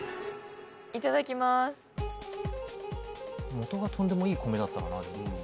もとがとんでもいい米だったら。